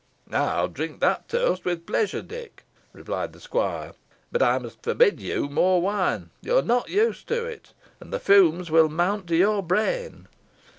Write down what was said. "I'll drink that toast with pleasure, Dick," replied the squire; "but I must forbid you more wine. You are not used to it, and the fumes will mount to your brain."